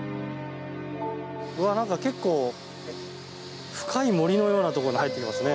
結構深い森のようなところに入っていきますね。